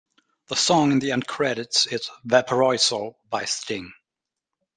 The song in the end credits is "Valparaiso" by Sting.